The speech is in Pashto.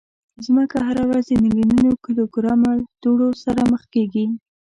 مځکه هره ورځ د میلیونونو کیلوګرامه دوړو سره مخ کېږي.